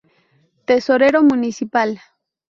Tesorero municipal.